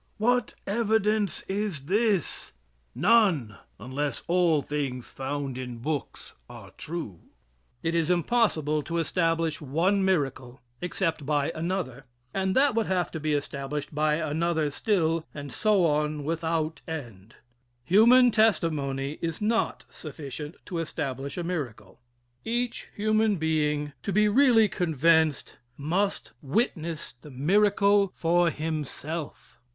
What evidence is this? None, unless all things found in books are true. It is impossible to establish one miracle except by another and that would have to be established by another still, and so on without end. Human testimony is not sufficient to establish a miracle. Each human being, to be really convinced, must witness the miracle for himself.